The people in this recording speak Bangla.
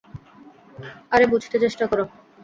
আরে, বুঝতে চেষ্টা কর!